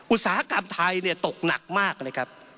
อุตสาหกรรมไทยตกหนักมากเลยครับ